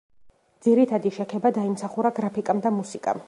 ძირითადი შექება დაიმსახურა გრაფიკამ და მუსიკამ.